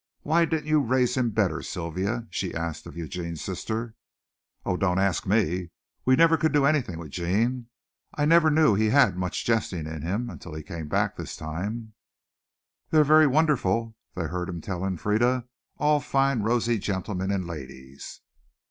Why didn't you raise him better, Sylvia?" she asked of Eugene's sister. "Oh, don't ask me. We never could do anything with Gene. I never knew he had much jesting in him until he came back this time." "They're very wonderful," they heard him telling Frieda, "all fine rosy gentlemen and ladies."